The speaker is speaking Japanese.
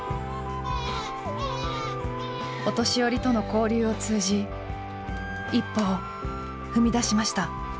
お年寄りとの交流を通じ一歩を踏み出しました。